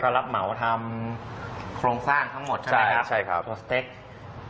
ก็รับเหมาทำโครงสร้างทั้งหมดใช่ไหมครับใช่ครับ